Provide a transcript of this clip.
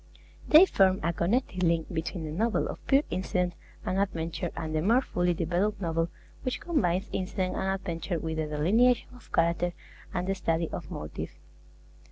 They form a connecting link between the novel of pure incident and adventure, and the more fully developed novel which combines incident and adventure with the delineation of character and the study of motive.